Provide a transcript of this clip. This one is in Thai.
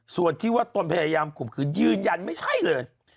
ส่วนที่ว่าตนพยายามข่มขืนยืนยันไม่ใช่เลย